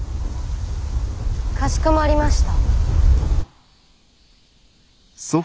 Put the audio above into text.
かしこまりました。